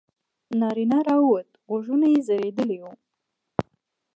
نارینه راووت غوږونه یې ځړېدلي وو.